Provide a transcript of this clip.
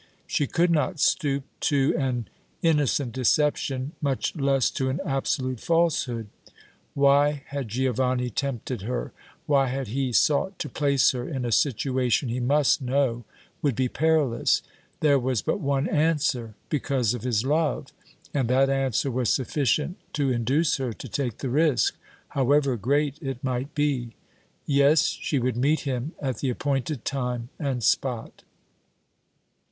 She could not stoop to an innocent deception, much less to an absolute falsehood. Why had Giovanni tempted her? Why had he sought to place her in a situation he must know would be perilous? There was but one answer because of his love and that answer was sufficient to induce her to take the risk, however great it might be. Yes, she would meet him at the appointed time and spot.